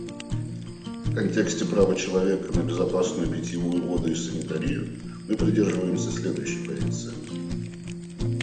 В контексте права человека на безопасную питьевую воду и санитарию мы придерживаемся следующей позиции.